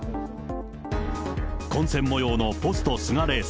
混戦模様のポスト菅レース。